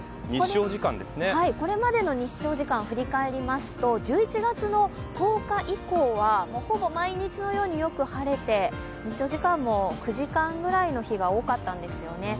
これまでの日照時間を振り返りますと１１月１０日以降はほぼ毎日のようによく晴れて、日照時間も９時間ぐらいの日が多かったんですよね。